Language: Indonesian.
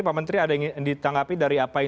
pak menteri ada yang ditanggapi dari apa yang